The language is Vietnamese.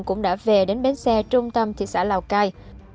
cũng đã về đến bến xe trung tâm thị xã lào cai